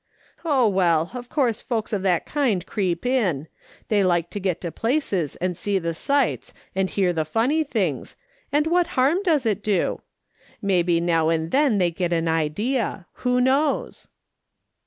Oh, well, of course folks of that kind creep in ; they like to get to places and see the sights and hear the funny things, and what harm does it do ? Maybe now and then they get an idea ; who knows